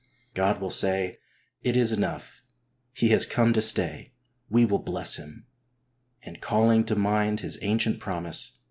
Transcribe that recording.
God will say :" It is enough ; he has come to stay ; we will bless him," and, calling to mind His ancient promise.